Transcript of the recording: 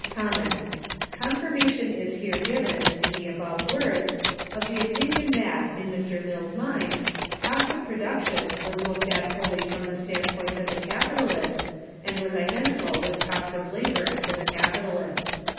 Confirmation is here given, in the above words, of the opinion that, in Mr. Mill's mind, Cost of Production was looked at wholly from the stand point of the capitalist, and was identical with Cost of Labor to the capitalist.